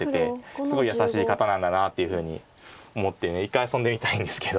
すごい優しい方なんだなっていうふうに思って一回遊んでみたいんですけど。